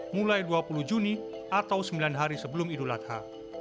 mulai dua puluh juni atau sembilan hari sebelum idul adha